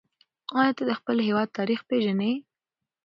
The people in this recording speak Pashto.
آیا ته د خپل هېواد تاریخ پېژنې؟